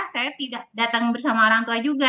saya tidak datang bersama orang tua juga